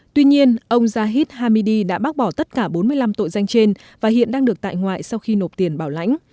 tuy nhiên ông zahid hamidi đã bác bỏ tất cả bốn mươi năm tội danh trên và hiện đang được tại ngoại sau khi nộp tiền bảo lãnh